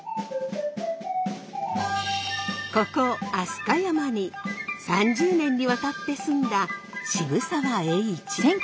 ここ飛鳥山に３０年にわたって住んだ渋沢栄一。